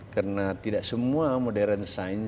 karena tidak semua modern science